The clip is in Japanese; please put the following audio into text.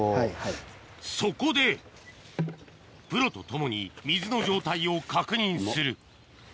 そこでプロと共に水の状態を確認する